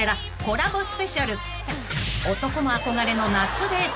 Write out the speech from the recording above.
［男が憧れの夏デート］